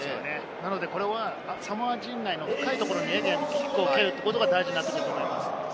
なので、これはサモア陣内の深いところでキックを受けるというのが大事になってくると思います。